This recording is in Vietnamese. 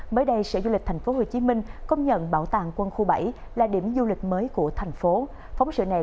mới đây sở du lịch tp hcm công nhận bảo tàng quân khu bảy là điểm du lịch mới của thành phố